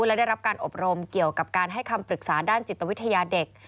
และได้รับการอบรมเกี่ยวกับการให้คำปรึกษาด้านจิตวิทยาเด็ก